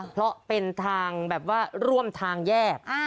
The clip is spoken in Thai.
เพราะเป็นทางแบบว่าร่วมทางแยก